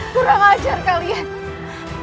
kurang ajar kalian